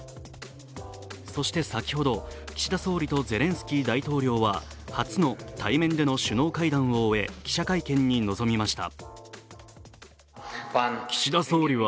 そして先ほど、岸田総理とゼレンスキー大統領は初の対面での首脳会談を終え、記者会見に臨みました。